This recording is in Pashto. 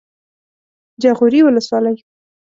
جاغوري ولسوالۍ